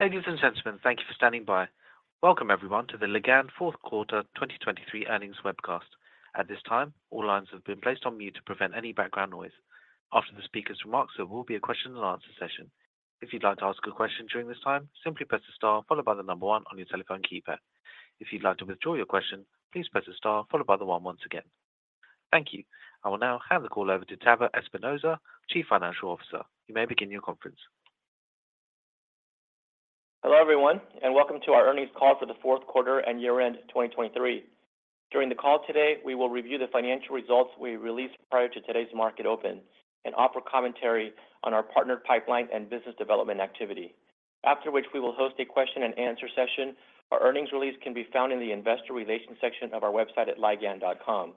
Ladies and gentlemen, thank you for standing by. Welcome, everyone, to the Ligand Fourth Quarter 2023 earnings webcast. At this time, all lines have been placed on mute to prevent any background noise. After the speaker's remarks, there will be a question-and-answer session. If you'd like to ask a question during this time, simply press the star followed by the number 1 on your telephone keypad. If you'd like to withdraw your question, please press the star followed by the 1 once again. Thank you. I will now hand the call over to Tavo Espinoza, Chief Financial Officer. You may begin your conference. Hello, everyone, and welcome to our earnings call for the fourth quarter and year-end 2023. During the call today, we will review the financial results we released prior to today's market open and offer commentary on our partner pipeline and business development activity, after which we will host a question-and-answer session. Our earnings release can be found in the investor relations section of our website at ligand.com.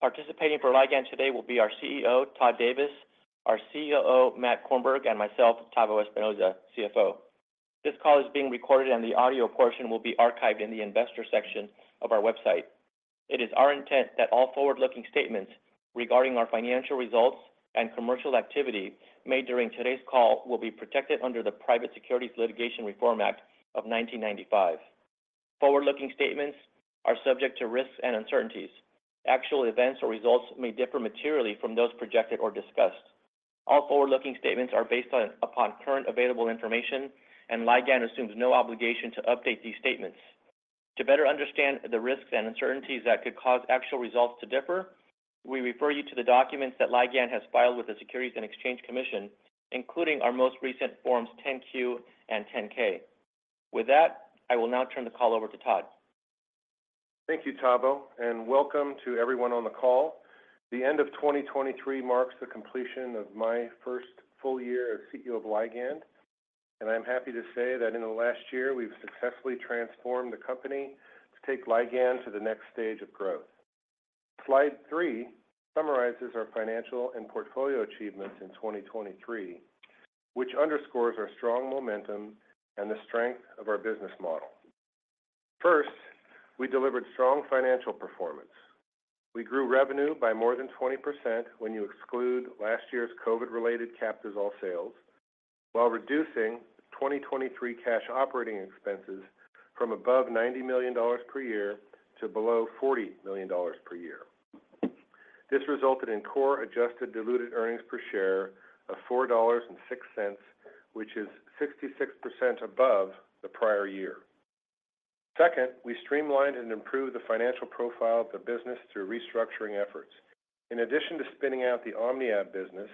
Participating for Ligand today will be our CEO, Todd Davis, our COO, Matt Korenberg, and myself, Tavo Espinoza, CFO. This call is being recorded, and the audio portion will be archived in the investor section of our website. It is our intent that all forward-looking statements regarding our financial results and commercial activity made during today's call will be protected under the Private Securities Litigation Reform Act of 1995. Forward-looking statements are subject to risks and uncertainties. Actual events or results may differ materially from those projected or discussed. All forward-looking statements are based upon current available information, and Ligand assumes no obligation to update these statements. To better understand the risks and uncertainties that could cause actual results to differ, we refer you to the documents that Ligand has filed with the Securities and Exchange Commission, including our most recent Forms 10-Q and 10-K. With that, I will now turn the call over to Todd. Thank you, Tavo, and welcome to everyone on the call. The end of 2023 marks the completion of my first full year as CEO of Ligand, and I'm happy to say that in the last year, we've successfully transformed the company to take Ligand to the next stage of growth. Slide 3 summarizes our financial and portfolio achievements in 2023, which underscores our strong momentum and the strength of our business model. First, we delivered strong financial performance. We grew revenue by more than 20% when you exclude last year's COVID-related Captisol sales, while reducing 2023 cash operating expenses from above $90 million per year to below $40 million per year. This resulted in core adjusted diluted earnings per share of $4.06, which is 66% above the prior year. Second, we streamlined and improved the financial profile of the business through restructuring efforts. In addition to spinning out the OmniAb business,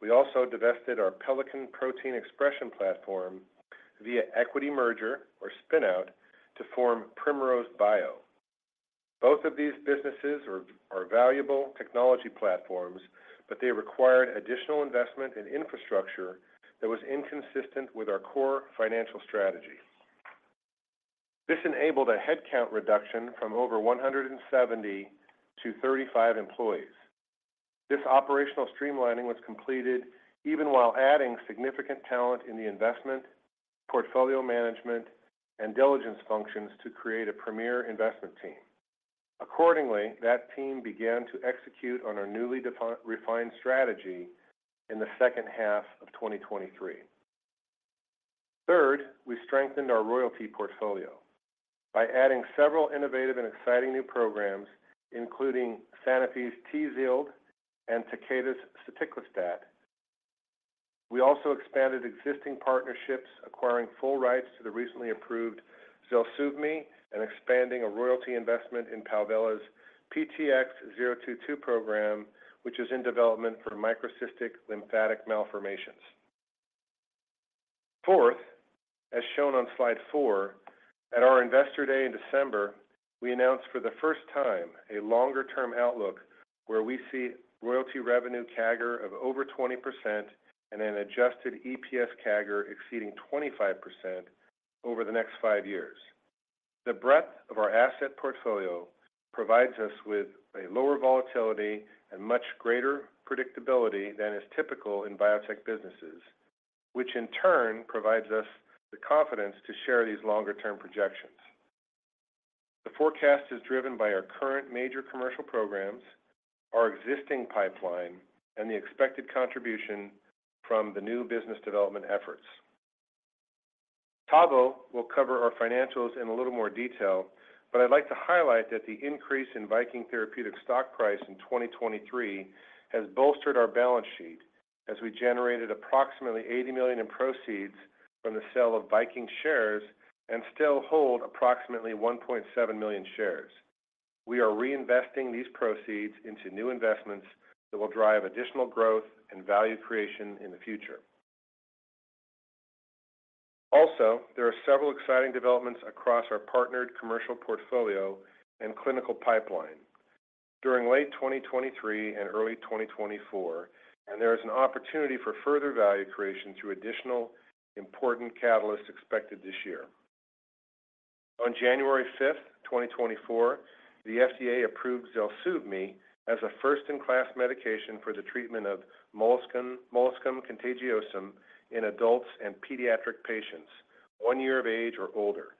we also divested our Pelican protein expression platform via equity merger, or spin-out, to form Primrose Bio. Both of these businesses are valuable technology platforms, but they required additional investment in infrastructure that was inconsistent with our core financial strategy. This enabled a headcount reduction from over 170 to 35 employees. This operational streamlining was completed even while adding significant talent in the investment, portfolio management, and diligence functions to create a premier investment team. Accordingly, that team began to execute on our newly refined strategy in the second half of 2023. Third, we strengthened our royalty portfolio by adding several innovative and exciting new programs, including Sanofi's Tzield and Takeda's soticlestat. We also expanded existing partnerships, acquiring full rights to the recently approved Zelsuvmi and expanding a royalty investment in Palvella's PTX-022 program, which is in development for microcystic lymphatic malformations. Fourth, as shown on slide 4, at our investor day in December, we announced for the first time a longer-term outlook where we see royalty revenue CAGR of over 20% and an adjusted EPS CAGR exceeding 25% over the next 5 years. The breadth of our asset portfolio provides us with a lower volatility and much greater predictability than is typical in biotech businesses, which in turn provides us the confidence to share these longer-term projections. The forecast is driven by our current major commercial programs, our existing pipeline, and the expected contribution from the new business development efforts. Tavo will cover our financials in a little more detail, but I'd like to highlight that the increase in Viking Therapeutics stock price in 2023 has bolstered our balance sheet as we generated approximately $80 million in proceeds from the sale of Viking shares and still hold approximately 1.7 million shares. We are reinvesting these proceeds into new investments that will drive additional growth and value creation in the future. Also, there are several exciting developments across our partnered commercial portfolio and clinical pipeline during late 2023 and early 2024, and there is an opportunity for further value creation through additional important catalysts expected this year. On January 5th, 2024, the FDA approved Zelsuvmi as a first-in-class medication for the treatment of molluscum contagiosum in adults and pediatric patients, one year of age or older.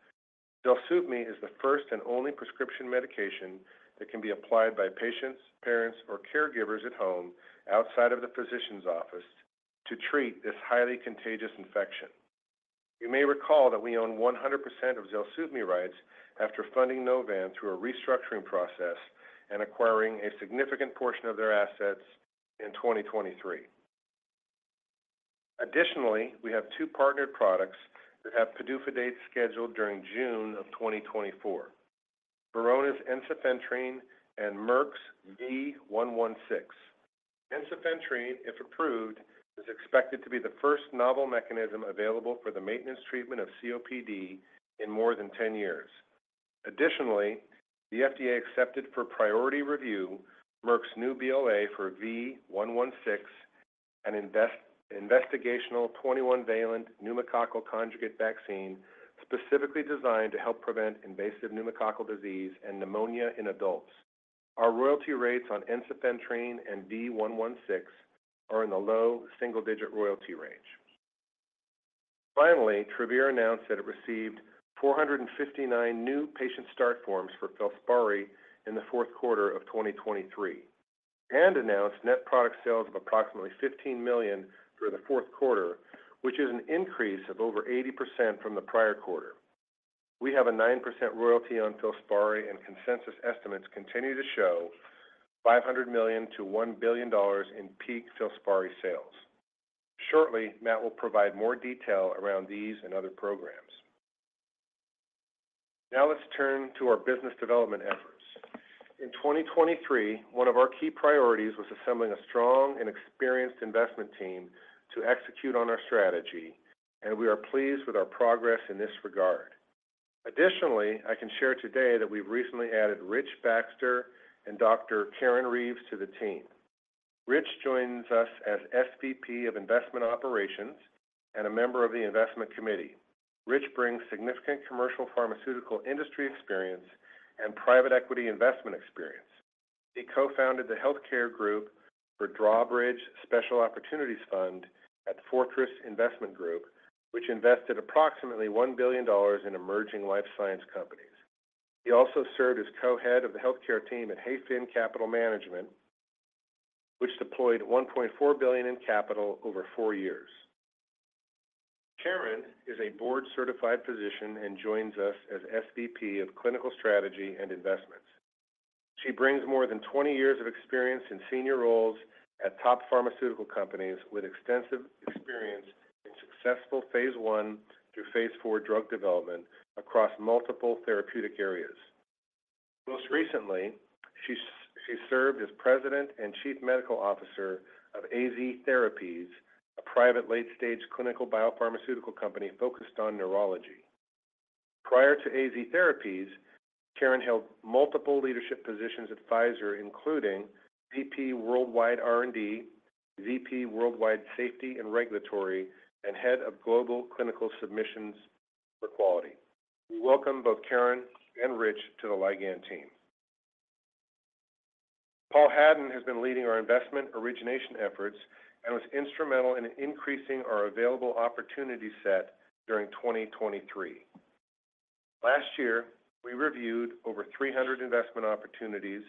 Zelsuvmi is the first and only prescription medication that can be applied by patients, parents, or caregivers at home outside of the physician's office to treat this highly contagious infection. You may recall that we own 100% of Zelsuvmi rights after funding Novan through a restructuring process and acquiring a significant portion of their assets in 2023. Additionally, we have two partnered products that have PDUFA dates scheduled during June of 2024: Verona's ensifentrine and Merck's V116. Ensifentrine, if approved, is expected to be the first novel mechanism available for the maintenance treatment of COPD in more than 10 years. Additionally, the FDA accepted for priority review Merck's new BLA for V116, an investigational 21-valent pneumococcal conjugate vaccine specifically designed to help prevent invasive pneumococcal disease and pneumonia in adults. Our royalty rates on ensifentrine and V116 are in the low single-digit royalty range. Finally, Travere announced that it received 459 new patient start forms for Filspari in the fourth quarter of 2023 and announced net product sales of approximately $15 million through the fourth quarter, which is an increase of over 80% from the prior quarter. We have a 9% royalty on Filspari, and consensus estimates continue to show $500 million-$1 billion in peak Filspari sales. Shortly, Matt will provide more detail around these and other programs. Now let's turn to our business development efforts. In 2023, one of our key priorities was assembling a strong and experienced investment team to execute on our strategy, and we are pleased with our progress in this regard. Additionally, I can share today that we've recently added Rich Baxter and Dr. Karen Reeves to the team. Rich joins us as SVP of Investment Operations and a member of the investment committee. Rich brings significant commercial pharmaceutical industry experience and private equity investment experience. He co-founded the healthcare group for Drawbridge Special Opportunities Fund at Fortress Investment Group, which invested approximately $1 billion in emerging life science companies. He also served as co-head of the healthcare team at Hayfin Capital Management, which deployed $1.4 billion in capital over four years. Karen is a board-certified physician and joins us as SVP of Clinical Strategy and Investments. She brings more than 20 years of experience in senior roles at top pharmaceutical companies with extensive experience in successful phase one through phase four drug development across multiple therapeutic areas. Most recently, she served as president and chief medical officer of AZTherapies, a private late-stage clinical biopharmaceutical company focused on neurology. Prior to AZTherapies, Karen held multiple leadership positions at Pfizer, including VP Worldwide R&D, VP Worldwide Safety and Regulatory, and head of global clinical submissions for quality. We welcome both Karen and Rich to the Ligand team. Paul Hadden has been leading our investment origination efforts and was instrumental in increasing our available opportunity set during 2023. Last year, we reviewed over 300 investment opportunities,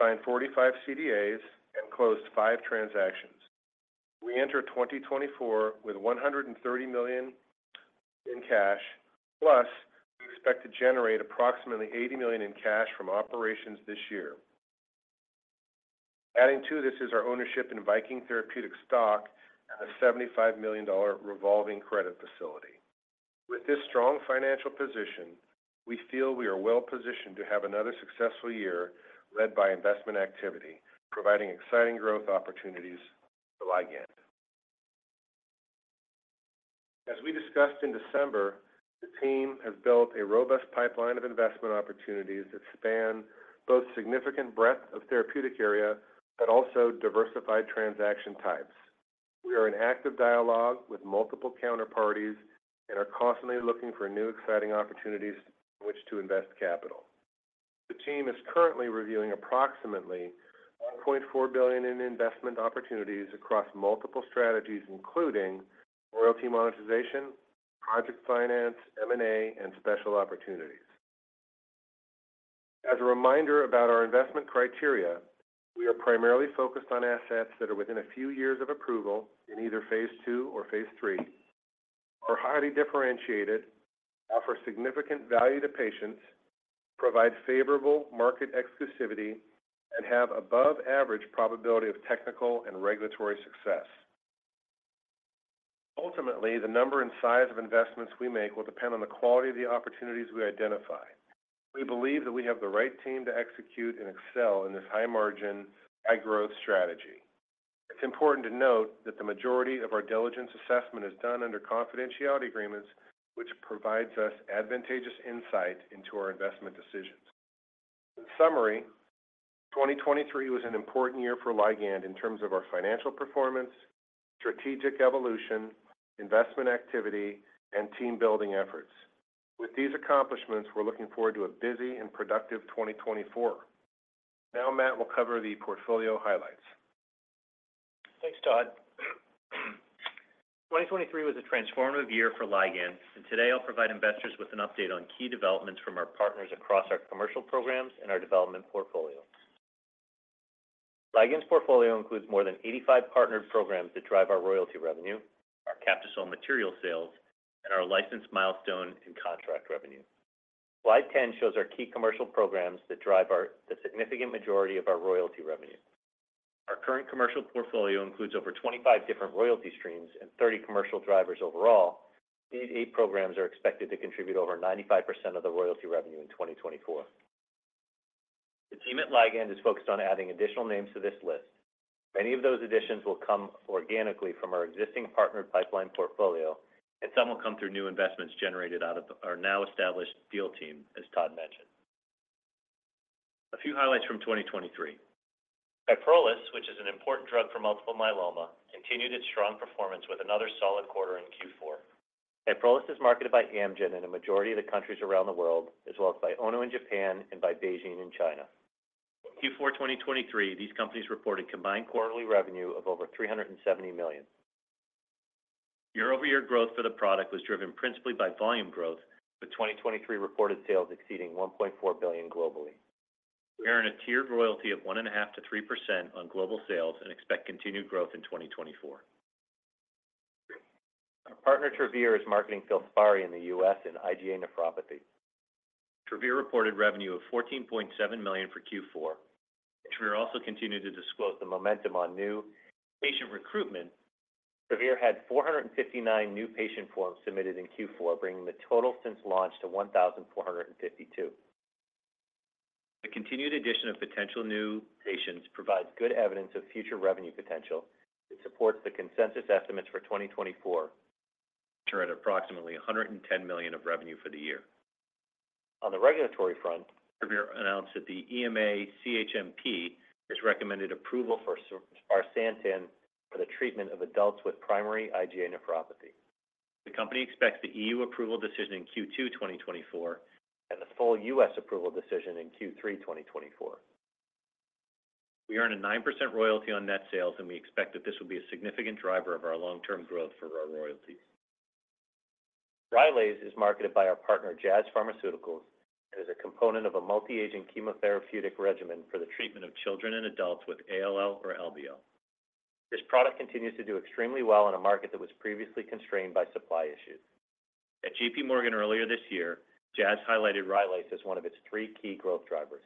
signed 45 CDAs, and closed 5 transactions. We enter 2024 with $130 million in cash, plus we expect to generate approximately $80 million in cash from operations this year. Adding to this is our ownership in Viking Therapeutics stock and the $75 million revolving credit facility. With this strong financial position, we feel we are well positioned to have another successful year led by investment activity, providing exciting growth opportunities for Ligand. As we discussed in December, the team has built a robust pipeline of investment opportunities that span both significant breadth of therapeutic area but also diversified transaction types. We are in active dialogue with multiple counterparties and are constantly looking for new exciting opportunities in which to invest capital. The team is currently reviewing approximately $1.4 billion in investment opportunities across multiple strategies, including royalty monetization, project finance, M&A, and special opportunities. As a reminder about our investment criteria, we are primarily focused on assets that are within a few years of approval in either phase 2 or phase 3, are highly differentiated, offer significant value to patients, provide favorable market exclusivity, and have above-average probability of technical and regulatory success. Ultimately, the number and size of investments we make will depend on the quality of the opportunities we identify. We believe that we have the right team to execute and excel in this high-margin, high-growth strategy. It's important to note that the majority of our diligence assessment is done under confidentiality agreements, which provides us advantageous insight into our investment decisions. In summary, 2023 was an important year for Ligand in terms of our financial performance, strategic evolution, investment activity, and team-building efforts. With these accomplishments, we're looking forward to a busy and productive 2024. Now Matt will cover the portfolio highlights. Thanks, Todd. 2023 was a transformative year for Ligand, and today I'll provide investors with an update on key developments from our partners across our commercial programs and our development portfolio. Ligand's portfolio includes more than 85 partnered programs that drive our royalty revenue, our Captisol material sales, and our license milestone and contract revenue. Slide 10 shows our key commercial programs that drive the significant majority of our royalty revenue. Our current commercial portfolio includes over 25 different royalty streams and 30 commercial drivers overall. These eight programs are expected to contribute over 95% of the royalty revenue in 2024. The team at Ligand is focused on adding additional names to this list. Many of those additions will come organically from our existing partnered pipeline portfolio, and some will come through new investments generated out of our now-established deal team, as Todd mentioned. A few highlights from 2023: Kyprolis, which is an important drug for multiple myeloma, continued its strong performance with another solid quarter in Q4. Kyprolis is marketed by Amgen in a majority of the countries around the world, as well as by Ono in Japan and by BeiGene in China. Q4 2023, these companies reported combined quarterly revenue of over $370 million. Year-over-year growth for the product was driven principally by volume growth, with 2023 reported sales exceeding $1.4 billion globally. We are in a tiered royalty of 1.5%-3% on global sales and expect continued growth in 2024. Our partner Travere is marketing Filspari in the U.S. and IgA nephropathy. Travere reported revenue of $14.7 million for Q4. Travere also continued to disclose the momentum on new patient recruitment. Travere had 459 new patient forms submitted in Q4, bringing the total since launch to 1,452. The continued addition of potential new patients provides good evidence of future revenue potential. It supports the consensus estimates for 2024, which are at approximately $110 million of revenue for the year. On the regulatory front, Travere announced that the EMA CHMP has recommended approval for Filspari for the treatment of adults with primary IgA nephropathy. The company expects the EU approval decision in Q2 2024 and the full U.S. approval decision in Q3 2024. We earn a 9% royalty on net sales, and we expect that this will be a significant driver of our long-term growth for our royalties. Rylaze is marketed by our partner Jazz Pharmaceuticals and is a component of a multi-agent chemotherapeutic regimen for the treatment of children and adults with ALL or LBL. This product continues to do extremely well in a market that was previously constrained by supply issues. At JPMorgan earlier this year, Jazz highlighted Rylaze as one of its three key growth drivers.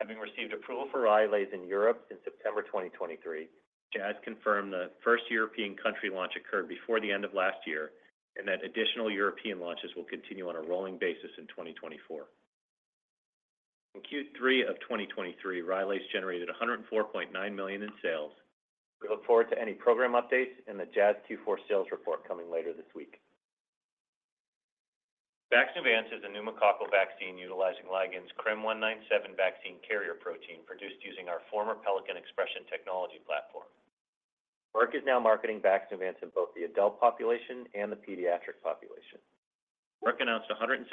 Having received approval for Rylaze in Europe in September 2023, Jazz confirmed that first European country launch occurred before the end of last year and that additional European launches will continue on a rolling basis in 2024. In Q3 of 2023, Rylaze generated $104.9 million in sales. We look forward to any program updates in the Jazz Q4 sales report coming later this week. Vaxneuvance is a pneumococcal vaccine utilizing Ligand's CRM197 vaccine carrier protein produced using our former Pelican Expression technology platform. Merck is now marketing Vaxneuvance in both the adult population and the pediatric population. Merck announced $176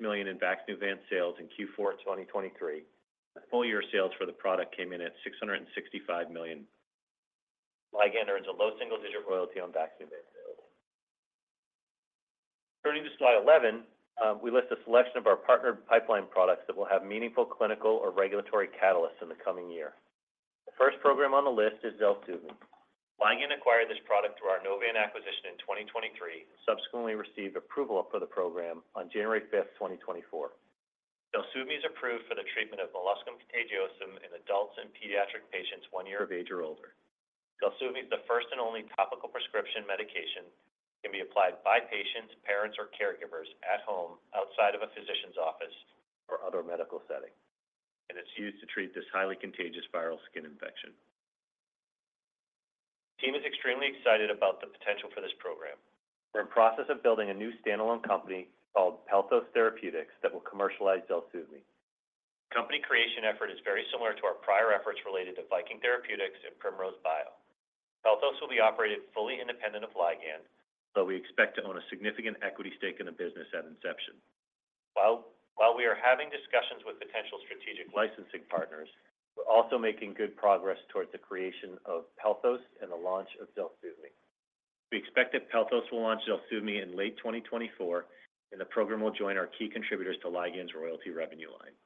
million in Vaxneuvance sales in Q4 2023. The full year sales for the product came in at $665 million. Ligand earns a low single-digit royalty on Vaxneuvance sales. Turning to slide 11, we list a selection of our partnered pipeline products that will have meaningful clinical or regulatory catalysts in the coming year. The first program on the list is Zelsuvmi. Ligand acquired this product through our Novan acquisition in 2023 and subsequently received approval for the program on January 5th, 2024. Zelsuvmi is approved for the treatment of molluscum contagiosum in adults and pediatric patients one year of age or older. Zelsuvmi is the first and only topical prescription medication that can be applied by patients, parents, or caregivers at home, outside of a physician's office, or other medical setting, and it's used to treat this highly contagious viral skin infection. The team is extremely excited about the potential for this program. We're in the process of building a new standalone company called Pelthos Therapeutics that will commercialize Zelsuvmi. The company creation effort is very similar to our prior efforts related to Viking Therapeutics and Primrose Bio. Pelthos will be operated fully independent of Ligand, though we expect to own a significant equity stake in the business at inception. While we are having discussions with potential strategic licensing partners, we're also making good progress towards the creation of Pelthos and the launch of Zelsuvmi. We expect that Pelthos will launch Zelsuvmi in late 2024, and the program will join our key contributors to Ligand's royalty revenue line.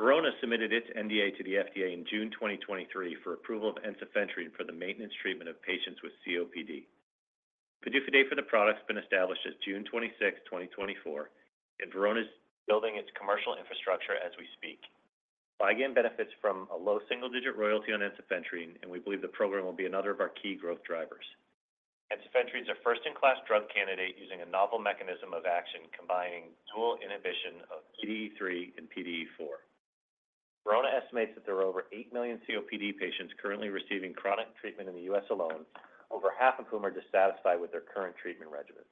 Verona submitted its NDA to the FDA in June 2023 for approval of Ensifentrine for the maintenance treatment of patients with COPD. PDUFA date for the product has been established as June 26, 2024, and Verona is building its commercial infrastructure as we speak. Ligand benefits from a low single-digit royalty on Ensifentrine, and we believe the program will be another of our key growth drivers. Ensifentrine is a first-in-class drug candidate using a novel mechanism of action combining dual inhibition of PDE3 and PDE4. Verona estimates that there are over 8 million COPD patients currently receiving chronic treatment in the U.S. alone, over half of whom are dissatisfied with their current treatment regimen.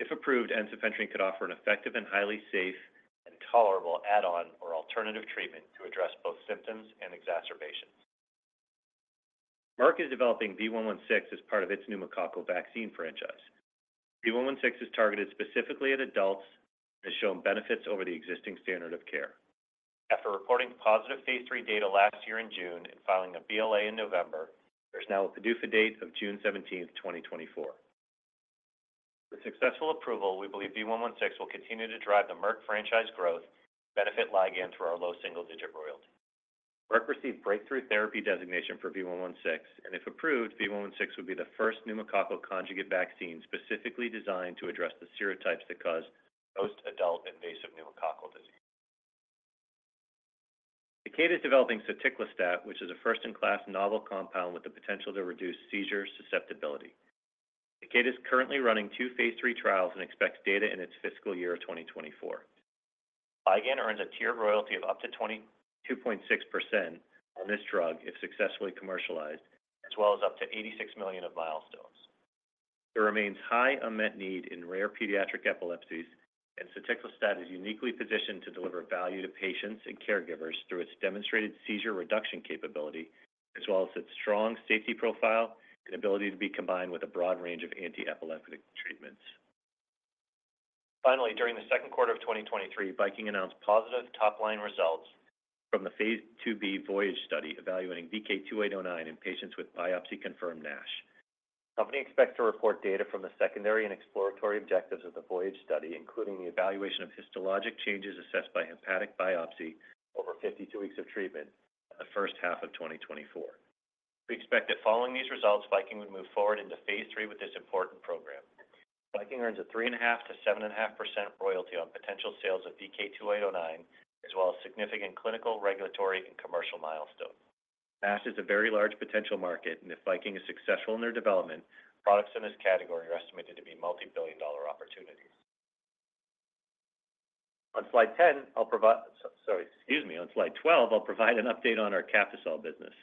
If approved, Ensifentrine could offer an effective and highly safe and tolerable add-on or alternative treatment to address both symptoms and exacerbations. Merck is developing V116 as part of its pneumococcal vaccine franchise. V116 is targeted specifically at adults and has shown benefits over the existing standard of care. After reporting positive phase three data last year in June and filing a BLA in November, there's now a PDUFA date of June 17, 2024. With successful approval, we believe V116 will continue to drive the Merck franchise growth and benefit Ligand through our low single-digit royalty. Merck received breakthrough therapy designation for V116, and if approved, V116 would be the first pneumococcal conjugate vaccine specifically designed to address the serotypes that cause post-adult invasive pneumococcal disease. Takeda is developing soticlestat, which is a first-in-class novel compound with the potential to reduce seizure susceptibility. Takeda is currently running two phase three trials and expects data in its fiscal year of 2024. Ligand earns a tiered royalty of up to 2.6% on this drug if successfully commercialized, as well as up to $86 million of milestones. There remains high unmet need in rare pediatric epilepsies, and soticlestat is uniquely positioned to deliver value to patients and caregivers through its demonstrated seizure reduction capability, as well as its strong safety profile and ability to be combined with a broad range of anti-epileptic treatments. Finally, during the second quarter of 2023, Viking announced positive top-line results from the phase 2b VOYAGE study evaluating VK2809 in patients with biopsy-confirmed NASH. The company expects to report data from the secondary and exploratory objectives of the VOYAGE study, including the evaluation of histologic changes assessed by hepatic biopsy over 52 weeks of treatment in the first half of 2024. We expect that following these results, Viking would move forward into phase 3 with this important program. Viking earns a 3.5%-7.5% royalty on potential sales of VK2809, as well as significant clinical, regulatory, and commercial milestones. NASH is a very large potential market, and if Viking is successful in their development, products in this category are estimated to be multi-billion dollar opportunities. On slide 12, I'll provide an update on our Captisol business.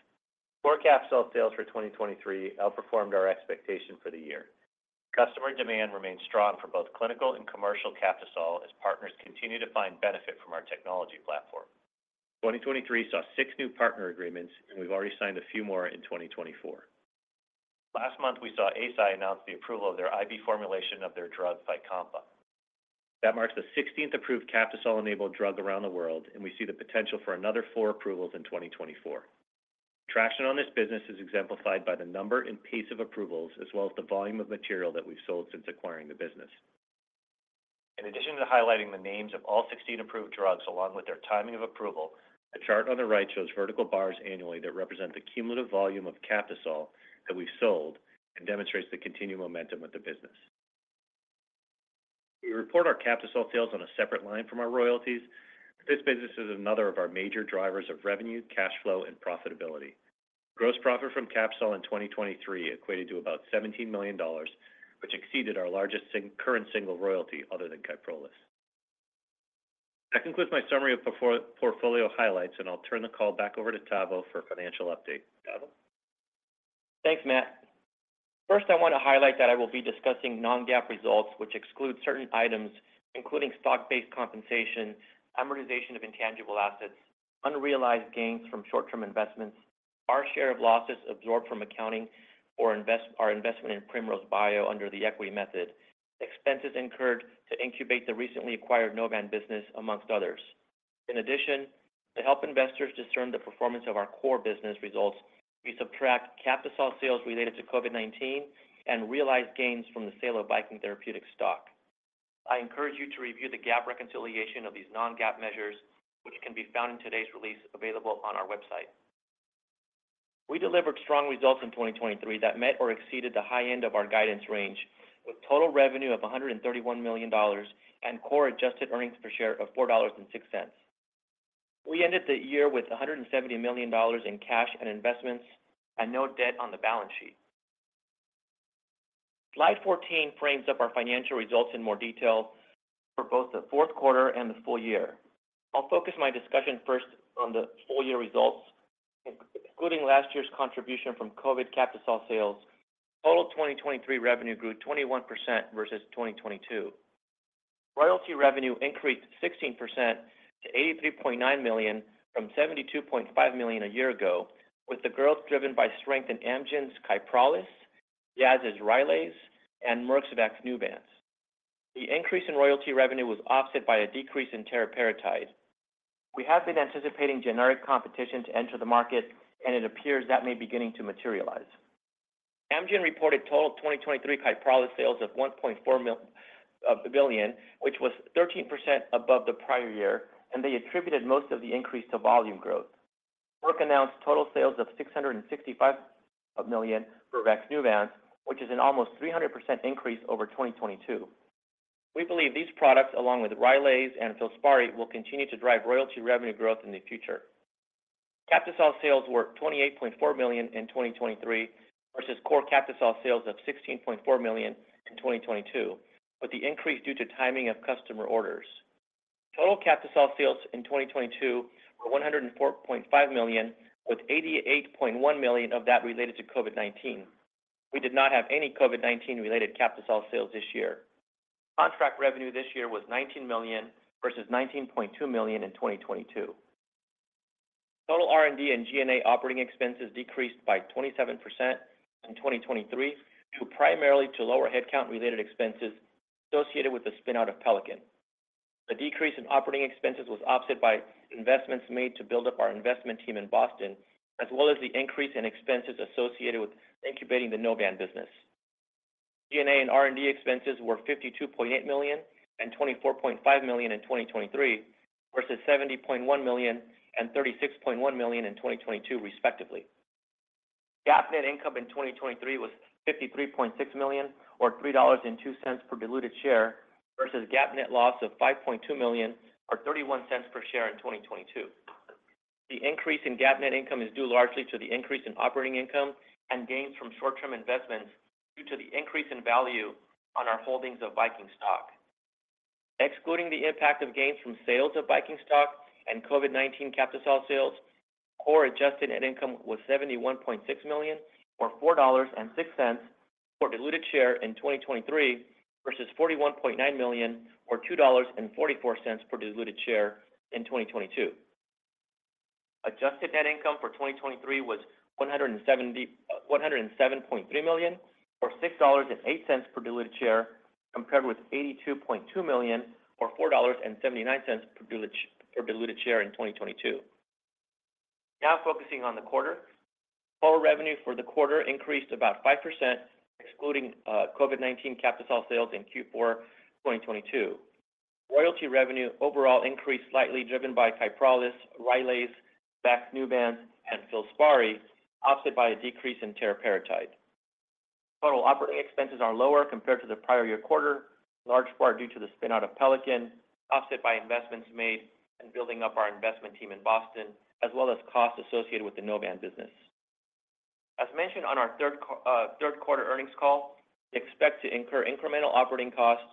Cor Captisol sales for 2023 outperformed our expectation for the year. Customer demand remains strong for both clinical and commercial Captisol as partners continue to find benefit from our technology platform. 2023 saw six new partner agreements, and we've already signed a few more in 2024. Last month, we saw Eisai announce the approval of their IV formulation of their drug, Fycompa. That marks the 16th approved Captisol-enabled drug around the world, and we see the potential for another four approvals in 2024. Traction on this business is exemplified by the number and pace of approvals, as well as the volume of material that we've sold since acquiring the business. In addition to highlighting the names of all 16 approved drugs along with their timing of approval, the chart on the right shows vertical bars annually that represent the cumulative volume of Captisol that we've sold and demonstrates the continued momentum of the business. We report our Captisol sales on a separate line from our royalties, but this business is another of our major drivers of revenue, cash flow, and profitability. Gross profit from Captisol in 2023 equated to about $17 million, which exceeded our largest current single royalty other than Kyprolis. That concludes my summary of portfolio highlights, and I'll turn the call back over to Tavo for a financial update. Tavo? Thanks, Matt. First, I want to highlight that I will be discussing non-GAAP results, which exclude certain items, including stock-based compensation, amortization of intangible assets, unrealized gains from short-term investments, our share of losses absorbed from accounting for our investment in Primrose Bio under the equity method, expenses incurred to incubate the recently acquired Novan business, among others. In addition, to help investors discern the performance of our core business results, we subtract Captisol all sales related to COVID-19 and realized gains from the sale of Viking Therapeutics stock. I encourage you to review the GAAP reconciliation of these non-GAAP measures, which can be found in today's release available on our website. We delivered strong results in 2023 that met or exceeded the high end of our guidance range, with total revenue of $131 million and core adjusted earnings per share of $4.06. We ended the year with $170 million in cash and investments and no debt on the balance sheet. Slide 14 frames up our financial results in more detail for both the fourth quarter and the full year. I'll focus my discussion first on the full-year results. Excluding last year's contribution from COVID Captisol sales, total 2023 revenue grew 21% versus 2022. Royalty revenue increased 16% to $83.9 million from $72.5 million a year ago, with the growth driven by strength in Amgen's Kyprolis, Jazz's Rylaze, and Merck's Vaxneuvance. The increase in royalty revenue was offset by a decrease in teriparatide. We have been anticipating generic competition to enter the market, and it appears that may be beginning to materialize. Amgen reported total 2023 Kyprolis sales of $1.4 billion, which was 13% above the prior year, and they attributed most of the increase to volume growth. Merck announced total sales of $665 million for Vaxneuvance, which is an almost 300% increase over 2022. We believe these products, along with Rylaze and Filspari, will continue to drive royalty revenue growth in the future. Captisol sales were $28.4 million in 2023 versus core Captisol sales of $16.4 million in 2022, with the increase due to timing of customer orders. Total Captisol sales in 2022 were $104.5 million, with $88.1 million of that related to COVID-19. We did not have any COVID-19 related Captisol sales this year. Contract revenue this year was $19 million versus $19.2 million in 2022. Total R&D and G&A operating expenses decreased by 27% in 2023 due primarily to lower headcount related expenses associated with the spin-out of Pelican. The decrease in operating expenses was offset by investments made to build up our investment team in Boston, as well as the increase in expenses associated with incubating the Novan business. G&A and R&D expenses were $52.8 million and $24.5 million in 2023 versus $70.1 million and $36.1 million in 2022, respectively. GAAP net income in 2023 was $53.6 million, or $3.02 per diluted share, versus GAAP net loss of $5.2 million, or $0.31 per share in 2022. The increase in GAAP net income is due largely to the increase in operating income and gains from short-term investments due to the increase in value on our holdings of Viking stock. Excluding the impact of gains from sales of Viking stock and COVID-19 Captisol sales, core adjusted net income was $71.6 million, or $4.06 per diluted share in 2023 versus $41.9 million, or $2.44 per diluted share in 2022. Adjusted net income for 2023 was $107.3 million, or $6.08 per diluted share, compared with $82.2 million, or $4.79 per diluted share in 2022. Now focusing on the quarter, total revenue for the quarter increased about 5%, excluding COVID-19 Captisol sales in Q4 2022. Royalty revenue overall increased slightly, driven by KYPROLIS, Rylaze, Vaxneuvance, and Filspari, offset by a decrease in teriparatide. Total operating expenses are lower compared to the prior year quarter, in large part due to the spin-out of Pelican, offset by investments made and building up our investment team in Boston, as well as costs associated with the Novan business. As mentioned on our third quarter earnings call, we expect to incur incremental operating costs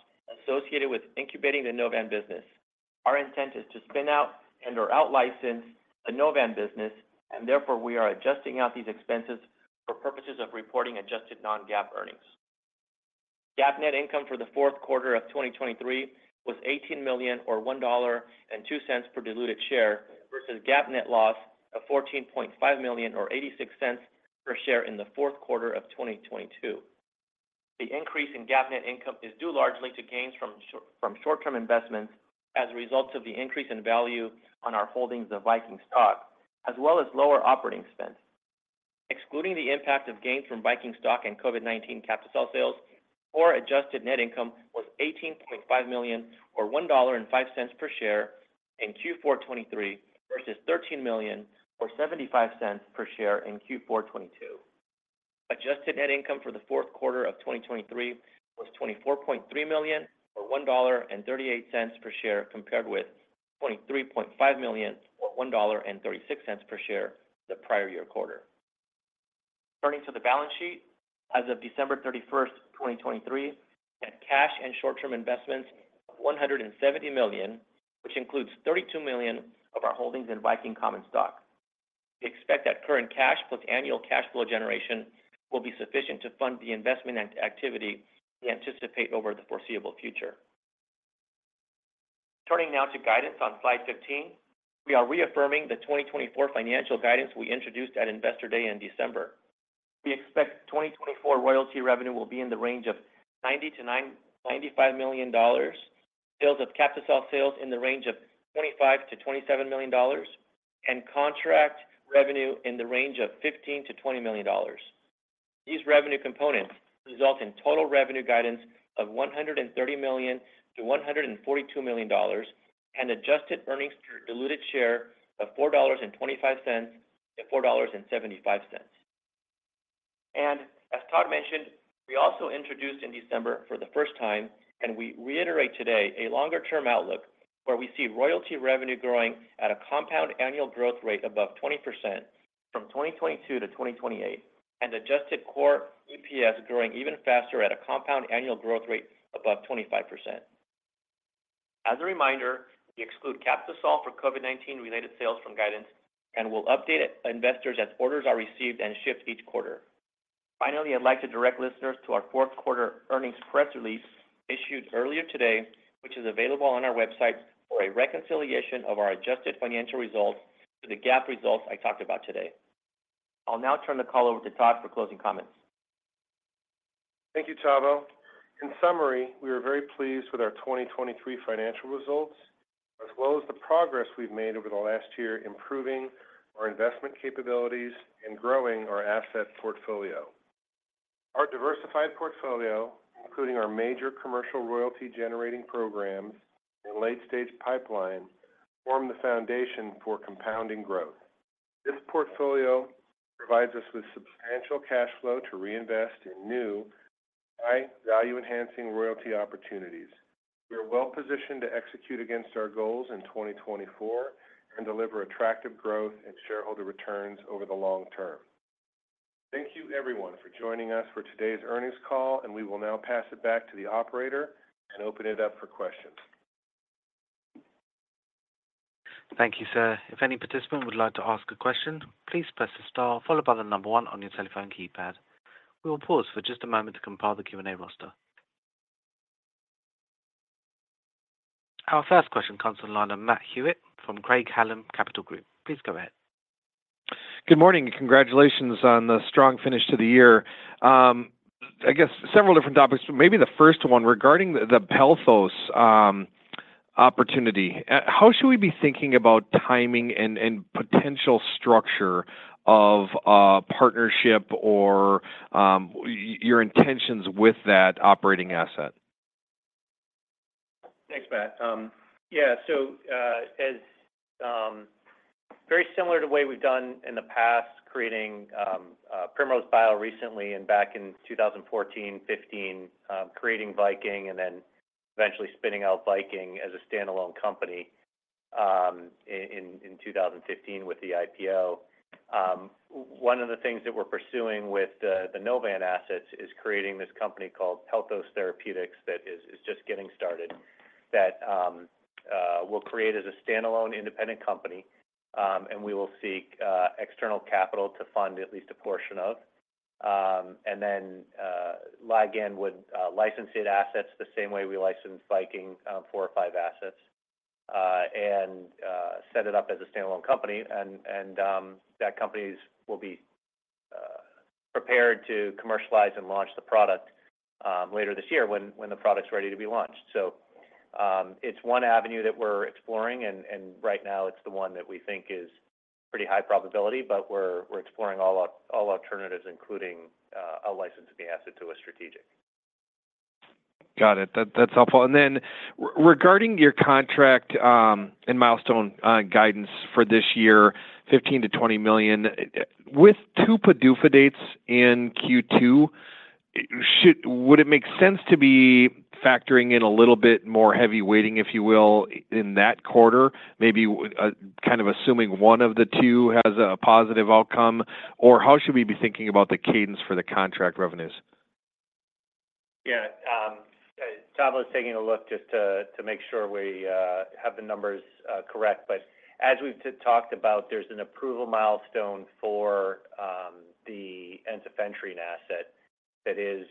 associated with incubating the Novan business. Our intent is to spin out and/or out-license the Novan business, and therefore we are adjusting out these expenses for purposes of reporting adjusted non-GAAP earnings. GAAP net income for the fourth quarter of 2023 was $18 million, or $1.02 per diluted share, versus GAAP net loss of $14.5 million, or $0.86 per share in the fourth quarter of 2022. The increase in GAAP net income is due largely to gains from short-term investments as a result of the increase in value on our holdings of Viking stock, as well as lower operating spend. Excluding the impact of gains from Viking stock and COVID-19 Captisol sales, core adjusted net income was $18.5 million, or $1.05 per share in Q4 2023, versus $13 million, or $0.75 per share in Q4 2022. Adjusted net income for the fourth quarter of 2023 was $24.3 million, or $1.38 per share, compared with $23.5 million, or $1.36 per share the prior-year quarter. Turning to the balance sheet, as of December 31, 2023, we had cash and short-term investments of $170 million, which includes $32 million of our holdings in Viking common stock. We expect that current cash plus annual cash flow generation will be sufficient to fund the investment activity we anticipate over the foreseeable future. Turning now to guidance on slide 15, we are reaffirming the 2024 financial guidance we introduced at Investor Day in December. We expect 2024 royalty revenue will be in the range of $90-$95 million, sales of Captisol sales in the range of $25-$27 million, and contract revenue in the range of $15-$20 million. These revenue components result in total revenue guidance of $130 million-$142 million and adjusted earnings per diluted share of $4.25-$4.75. As Todd mentioned, we also introduced in December for the first time, and we reiterate today, a longer-term outlook where we see royalty revenue growing at a compound annual growth rate above 20% from 2022 to 2028, and adjusted core EPS growing even faster at a compound annual growth rate above 25%. As a reminder, we exclude Captisol for COVID-19 related sales from guidance and will update investors as orders are received and shift each quarter. Finally, I'd like to direct listeners to our fourth quarter earnings press release issued earlier today, which is available on our website for a reconciliation of our adjusted financial results to the GAAP results I talked about today. I'll now turn the call over to Todd for closing comments. Thank you, Tavo. In summary, we are very pleased with our 2023 financial results, as well as the progress we've made over the last year improving our investment capabilities and growing our asset portfolio. Our diversified portfolio, including our major commercial royalty generating programs and late-stage pipeline, form the foundation for compounding growth. This portfolio provides us with substantial cash flow to reinvest in new, high-value-enhancing royalty opportunities. We are well positioned to execute against our goals in 2024 and deliver attractive growth and shareholder returns over the long term. Thank you, everyone, for joining us for today's earnings call, and we will now pass it back to the operator and open it up for questions. Thank you, sir. If any participant would like to ask a question, please press the star followed by the number one on your cell phone keypad. We will pause for just a moment to compile the Q&A roster. Our first question comes from Matt Hewitt from Craig-Hallum Capital Group. Please go ahead. Good morning and congratulations on the strong finish to the year. I guess several different topics, but maybe the first one regarding the Pelthos opportunity. How should we be thinking about timing and potential structure of partnership or your intentions with that operating asset? Thanks, Matt. Yeah, so very similar to the way we've done in the past, creating Primrose Bio recently and back in 2014, 2015, creating Viking and then eventually spinning out Viking as a standalone company in 2015 with the IPO. One of the things that we're pursuing with the Novan assets is creating this company called Pelthos Therapeutics that is just getting started, that we'll create as a standalone independent company, and we will seek external capital to fund at least a portion of. And then Ligand would license its assets the same way we license Viking four or five assets and set it up as a standalone company, and that company will be prepared to commercialize and launch the product later this year when the product's ready to be launched. So it's one avenue that we're exploring, and right now it's the one that we think is pretty high probability, but we're exploring all alternatives, including a licensing asset to a strategic. Got it. That's helpful. Then regarding your contract and milestone guidance for this year, $15 million-$20 million, with two PDUFA dates in Q2, would it make sense to be factoring in a little bit more heavyweighting, if you will, in that quarter, maybe kind of assuming one of the two has a positive outcome, or how should we be thinking about the cadence for the contract revenues? Yeah. Tavo is taking a look just to make sure we have the numbers correct. But as we've talked about, there's an approval milestone for the Ensifentrine asset that is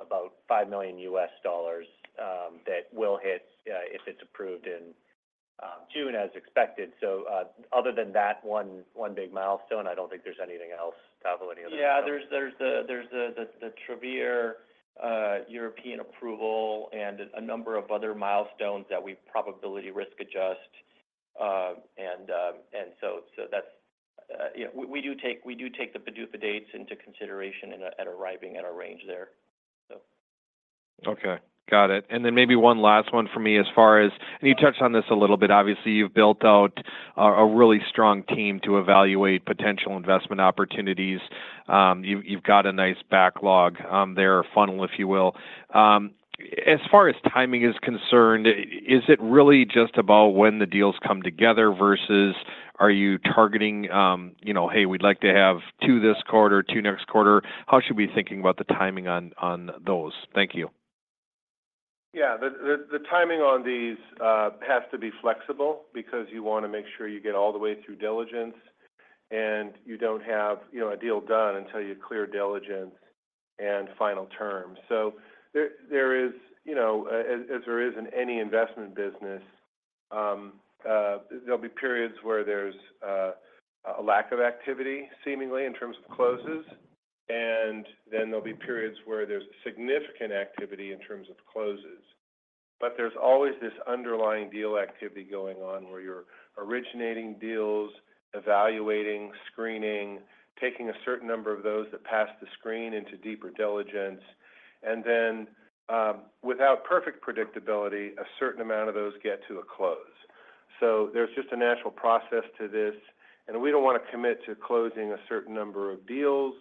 about $5 million that will hit if it's approved in June as expected. So other than that one big milestone, I don't think there's anything else, Tavo, any other stuff? Yeah, there's the Travere European approval and a number of other milestones that we probability risk adjust. And so that's we do take the PDUFA dates into consideration at arriving at our range there, so. Okay. Got it. And then maybe one last one for me as far as, and you touched on this a little bit. Obviously, you've built out a really strong team to evaluate potential investment opportunities. You've got a nice backlog there, a funnel, if you will. As far as timing is concerned, is it really just about when the deals come together versus are you targeting, "Hey, we'd like to have 2 this quarter, 2 next quarter"? How should we be thinking about the timing on those? Thank you. Yeah. The timing on these has to be flexible because you want to make sure you get all the way through diligence and you don't have a deal done until you clear diligence and final terms. So there is, as there is in any investment business, there'll be periods where there's a lack of activity seemingly in terms of closes, and then there'll be periods where there's significant activity in terms of closes. But there's always this underlying deal activity going on where you're originating deals, evaluating, screening, taking a certain number of those that pass the screen into deeper diligence, and then without perfect predictability, a certain amount of those get to a close. There's just a natural process to this, and we don't want to commit to closing a certain number of deals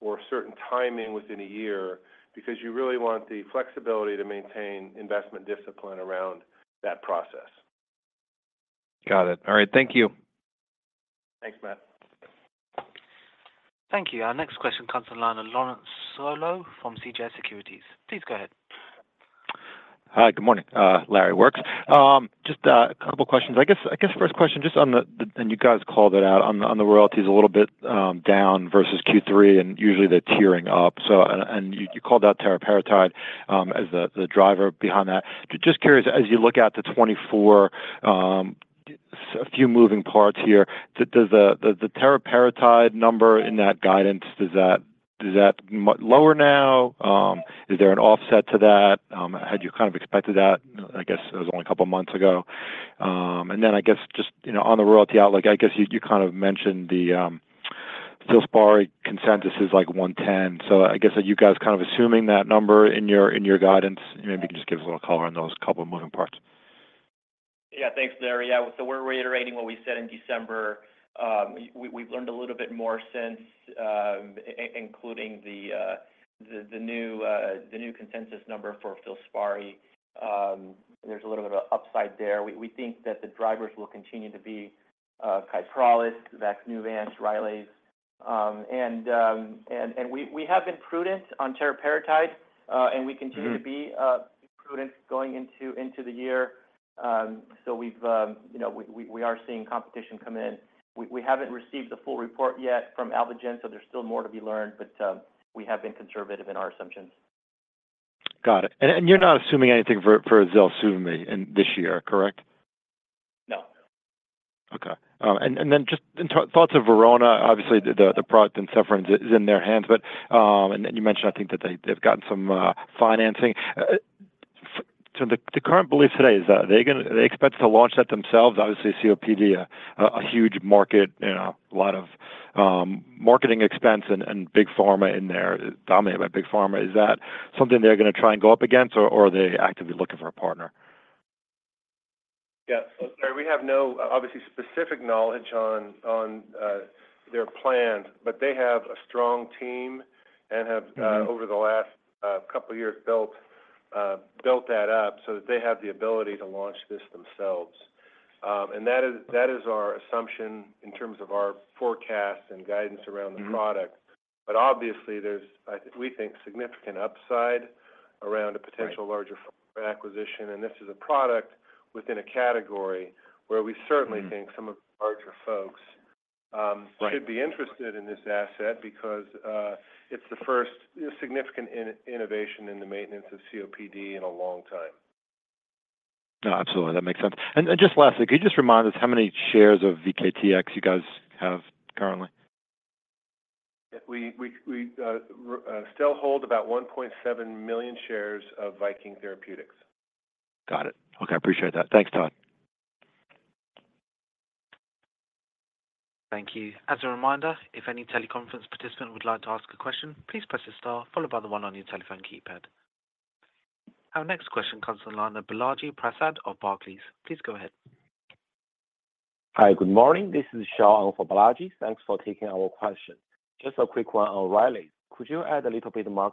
or certain timing within a year because you really want the flexibility to maintain investment discipline around that process. Got it. All right. Thank you. Thanks, Matt. Thank you. Our next question comes from Lawrence Solow from CJS Securities. Please go ahead. Hi. Good morning, Lawrence Solow. Just a couple of questions. I guess first question, just on the royalties and you guys called it out, on the royalties a little bit down versus Q3 and usually they're tiering up. You called out teriparatide as the driver behind that. Just curious, as you look at the 2024, a few moving parts here, does the teriparatide number in that guidance, is that lower now? Is there an offset to that? Had you kind of expected that? I guess it was only a couple of months ago. Then I guess just on the royalty outlook, I guess you kind of mentioned the Filspari consensus is like $110. So I guess are you guys kind of assuming that number in your guidance? Maybe you can just give us a little color on those couple of moving parts. Yeah. Thanks, Lawrence. Yeah. So we're reiterating what we said in December. We've learned a little bit more since, including the new consensus number for Filspari. There's a little bit of an upside there. We think that the drivers will continue to be Kyprolis, Vaxneuvance, Rylaze. And we have been prudent on teriparatide, and we continue to be prudent going into the year. So we are seeing competition come in. We haven't received the full report yet from Amgen, so there's still more to be learned, but we have been conservative in our assumptions. Got it. And you're not assuming anything for Zelsuvmi this year, correct? No. Okay. And then just in terms of Verona, obviously, the product and funding is in their hands, and then you mentioned, I think, that they've gotten some financing. So the current belief today is that they expect to launch that themselves. Obviously, COPD, a huge market, a lot of marketing expense and Big Pharma in there, dominated by Big Pharma. Is that something they're going to try and go up against, or are they actively looking for a partner? Yeah. So Lawrence, we have no, obviously, specific knowledge on their plans, but they have a strong team and have, over the last couple of years, built that up so that they have the ability to launch this themselves. That is our assumption in terms of our forecast and guidance around the product. Obviously, we think significant upside around a potential larger acquisition, and this is a product within a category where we certainly think some of the larger folks should be interested in this asset because it's the first significant innovation in the maintenance of COPD in a long time. No, absolutely. That makes sense. And just lastly, could you just remind us how many shares of VKTX you guys have currently? We still hold about 1.7 million shares of Viking Therapeutics. Got it. Okay. Appreciate that. Thanks, Todd. Thank you. As a reminder, if any teleconference participant would like to ask a question, please press the star followed by the one on your telephone keypad. Our next question comes from Balaji Prasad of Barclays. Please go ahead. Hi. Good morning. This is Sean for Balaji. Thanks for taking our question. Just a quick one on Rylaze. Could you add a little bit more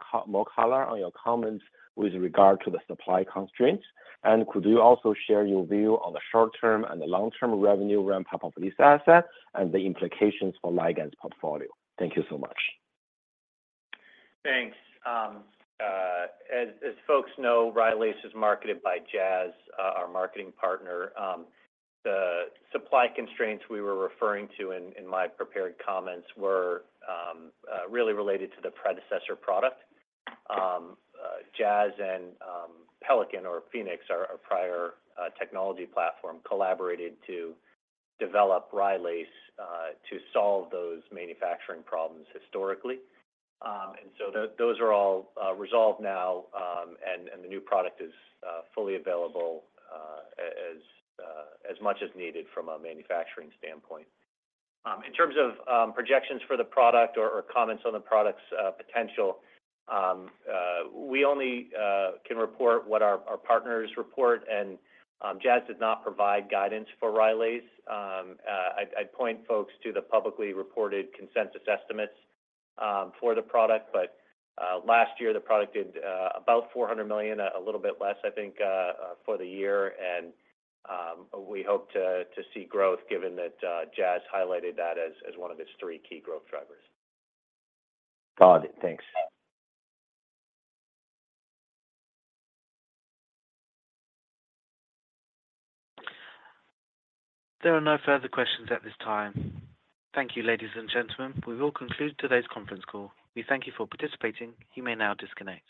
color on your comments with regard to the supply constraints? And could you also share your view on the short-term and the long-term revenue ramp-up of this asset and the implications for Ligand's portfolio? Thank you so much. Thanks. As folks know, Rylaze is marketed by Jazz, our marketing partner. The supply constraints we were referring to in my prepared comments were really related to the predecessor product. Jazz and Pelican or Pfenex, our prior technology platform, collaborated to develop Rylaze to solve those manufacturing problems historically. And so those are all resolved now, and the new product is fully available as much as needed from a manufacturing standpoint. In terms of projections for the product or comments on the product's potential, we only can report what our partners report, and Jazz did not provide guidance for Rylaze. I'd point folks to the publicly reported consensus estimates for the product, but last year, the product did about $400 million, a little bit less, I think, for the year. And we hope to see growth given that Jazz highlighted that as one of its three key growth drivers. Got it. Thanks. There are no further questions at this time. Thank you, ladies and gentlemen. We will conclude today's conference call. We thank you for participating. You may now disconnect.